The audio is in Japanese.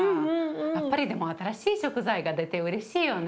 やっぱりでも新しい食材が出てうれしいよね。